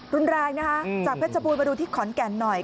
รุนแรงนะคะจากเพชรบูรณมาดูที่ขอนแก่นหน่อย